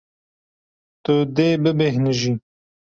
Tu dê bibêhnijî.